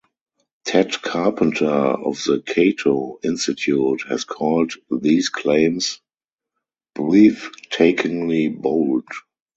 Ted Carpenter of the Cato Institute has called these claims "breathtakingly bold".